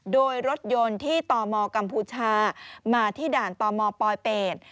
โดยรถยนต์ที่ตมกัมพูชามาที่ด่านตมปลอยเป็ด